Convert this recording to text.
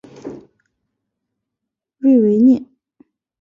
瑞维涅。